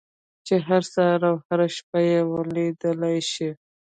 چې هر سهار او هره شپه يې وليدلای شئ.